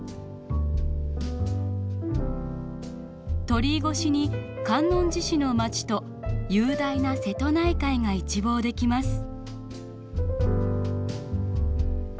鳥居越しに観音寺市の街と雄大な瀬戸内海が一望できます。